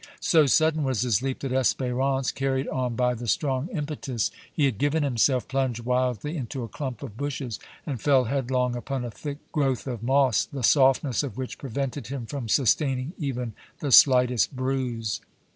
So sudden was his leap that Espérance, carried on by the strong impetus he had given himself, plunged wildly into a clump of bushes and fell headlong upon a thick growth of moss, the softness of which prevented him from sustaining even the slightest bruise.